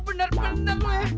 bener bener lo ya